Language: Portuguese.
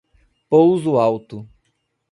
Pouso Alto